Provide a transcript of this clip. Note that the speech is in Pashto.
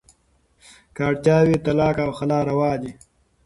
که اړتیا وي، طلاق او خلع روا دي.